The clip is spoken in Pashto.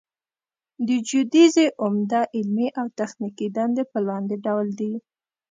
د جیودیزي عمده علمي او تخنیکي دندې په لاندې ډول دي